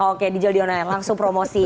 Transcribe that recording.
oke dijual di online langsung promosi